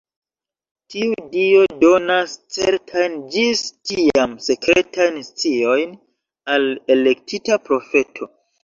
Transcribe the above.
Tiu Dio donas certajn ĝis tiam sekretajn sciojn al elektita profeto.